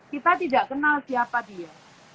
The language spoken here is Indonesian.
kita tidak kenal siapa dia